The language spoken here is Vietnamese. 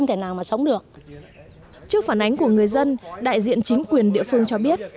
trước phản ánh của người dân đại diện chính quyền địa phương cho biết